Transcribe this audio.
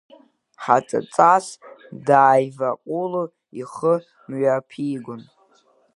Хаҵаҵас дааиваҟәыло ихы мҩаԥигон.